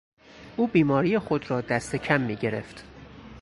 او بیماری خود را دست کم می گرفت.